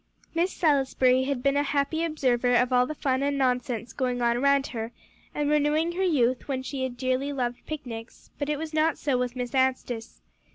Miss Salisbury had been a happy observer of all the fun and nonsense going on around her, and renewing her youth when she had dearly loved picnics; but it was not so with Miss Anstice.